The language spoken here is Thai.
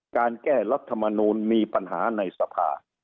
การแก้รัฐมนูลมีปัญหาในสภา